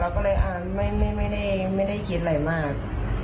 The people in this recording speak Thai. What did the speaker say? เราก็เลยอ่าไม่ไม่ได้ไม่ได้คิดอะไรมาก